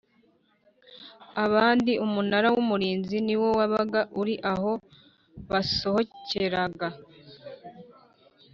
abandi Umunara w’Umurinzi niwo wabaga uri aho basokeraga